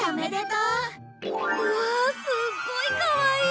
うわあすっごいかわいい！